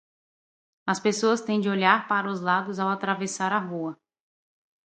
As pessoas têm de olhar para os lados ao atravessar a rua.